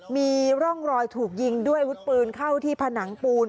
มีร่องรอยถูกยิงด้วยวุฒิปืนเข้าที่ผนังปูน